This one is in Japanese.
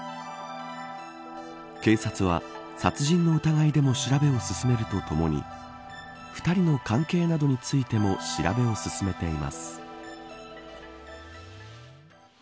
警察は、殺人の疑いでも調べを進めるとともに２人の関係などについても調べを進めています。